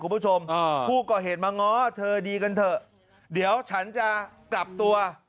คุณผู้ชมผู้ก่อเหตุมาง้อเธอดีกันเถอะเดี๋ยวฉันจะกลับตัว